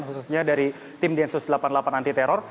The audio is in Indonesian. khususnya dari tim densus delapan puluh delapan anti teror